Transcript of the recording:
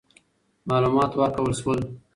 معلومات ورکول سول.